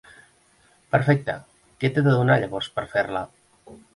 Perfecte, que t'he de donar llavors per fer-la?